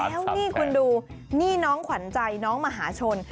แล้วนี่คุณดูนี่น้องขวัญใจน้องมหาชน